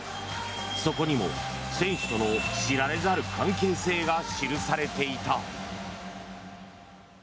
そこにも選手との知られざる関係性が記されていた。